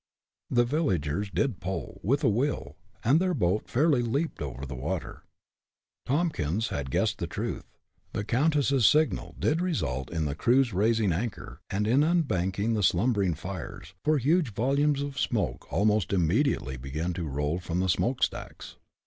The villagers did pull, with a will, and their boat fairly leaped over the water. Tompkins had guessed the truth. The countess's signal did result in the crew's raising anchor, and in unbanking the slumbering fires, for huge volumes of smoke almost immediately began to roll from the smokestacks.